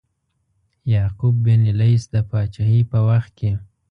یعقوب بن لیث د پاچهۍ په وخت کې.